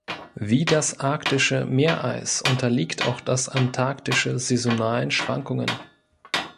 Wie das arktische Meereis unterliegt auch das antarktische saisonalen Schwankungen.